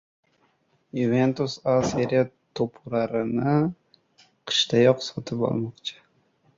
“Yuventus” A seriya to‘purarini qishdayoq sotib olmoqchi